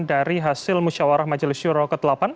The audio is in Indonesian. pks hasil musyawarah majelis yurro ke delapan